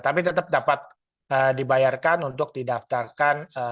tapi tetap dapat dibayarkan untuk didaftarkan